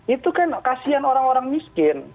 itu kan kasian orang orang miskin